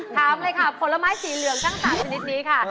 ถามเลยค่ะผลไม้สีเหลืองทั้ง๓ชนิดนี้ค่ะ